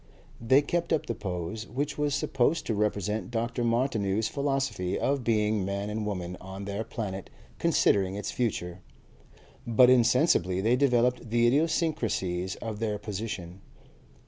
They kept up the pose, which was supposed to represent Dr. Martineau's philosophy, of being Man and Woman on their Planet considering its Future, but insensibly they developed the idiosyncrasies of their position.